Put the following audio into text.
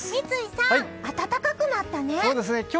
三井さん、暖かくなったね。